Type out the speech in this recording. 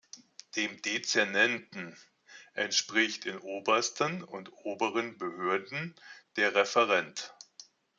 Dem Dezernenten entspricht in obersten und oberen Behörden der Referent.